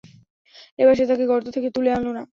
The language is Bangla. এবার সে তাকে গর্ত থেকে তুলে আনল না।